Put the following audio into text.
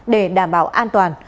để đảm bảo an toàn